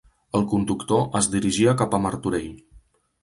El conductor es dirigia cap a Martorell.